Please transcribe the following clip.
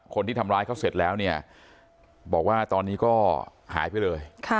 คนที่ทำร้ายเขาเสร็จแล้วเนี่ยบอกว่าตอนนี้ก็หายไปเลย